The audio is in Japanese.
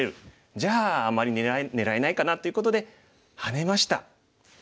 じゃああんまり狙えないかなということでハネました。